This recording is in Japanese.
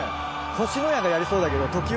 星のやがやりそうだけど。